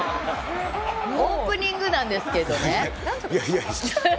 オープニングなんですけどね。